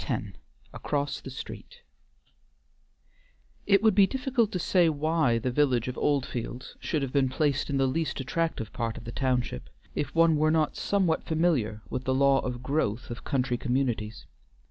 X ACROSS THE STREET It would be difficult to say why the village of Oldfields should have been placed in the least attractive part of the township, if one were not somewhat familiar with the law of growth of country communities.